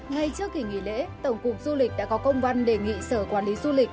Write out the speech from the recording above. ngay trước kỳ nghỉ lễ tổng cục du lịch đã có công văn đề nghị sở quản lý du lịch